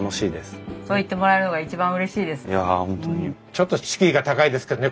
ちょっと敷居が高いですけどね